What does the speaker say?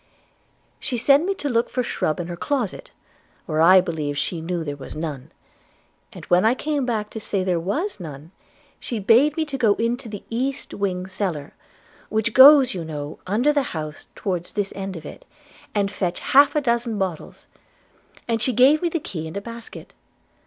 She sent me to look for shrub in her closet, where I believe she knew there was none; and when I came back to say there was none, she bade me go into the east wing cellar, which goes, you know, under the house towards this end of it, and fetch half a dozen bottles; and she gave me the key and a basket.